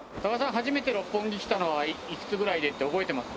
初めて六本木来たのはいくつぐらいでって覚えてます？